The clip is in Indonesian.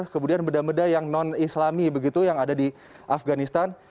kemudian benda benda yang non islami begitu yang ada di afganistan